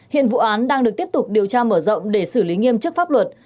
hiện vụ án đang được tiếp tục điều tra mở rộng để xử lý nghiêm chức pháp luật